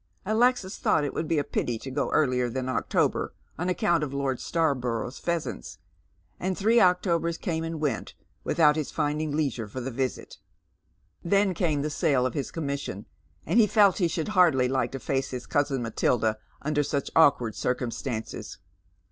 Alexis thought it would be a pity to go earlier than October, on account of Lord ytarborough's pheasants, and three Octobers came and went without his finding leisure for the visit. Then came the sale of h's commission, and he felt he should hardly like to face hia cousin Matilda under such awkward circumstances.